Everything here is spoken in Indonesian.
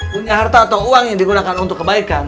punya harta atau uang yang digunakan untuk kebaikan